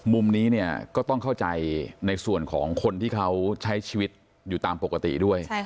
มุมนี้เนี่ยก็ต้องเข้าใจในส่วนของคนที่เขาใช้ชีวิตอยู่ตามปกติด้วย